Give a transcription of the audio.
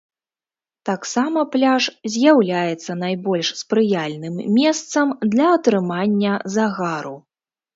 Таксама пляж з'яўляецца найбольш спрыяльным месцам для атрымання загару.